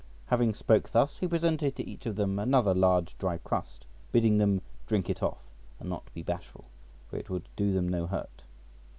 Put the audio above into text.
Having spoke thus, he presented to each of them another large dry crust, bidding them drink it off, and not be bashful, for it would do them no hurt.